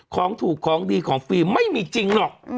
ของถูกของดีของฟรีไม่มีจริงหรอก